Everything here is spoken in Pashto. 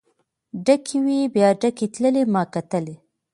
ډکې وې بیا ډکې تللې ما کتلی.